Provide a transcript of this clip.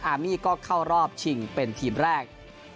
มี่ก็เข้ารอบชิงเป็นทีมแรก